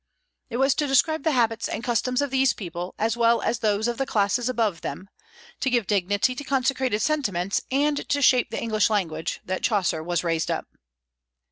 It was to describe the habits and customs of these people, as well as those of the classes above them, to give dignity to consecrated sentiments and to shape the English language, that Chaucer was raised up.